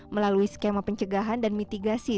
melalui skema pencegahan dan mitigasi